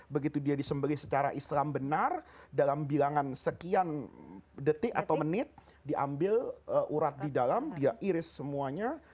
begitu dia disembelih secara islam benar dalam bilangan sekian detik atau menit diambil urat di dalam dia iris semuanya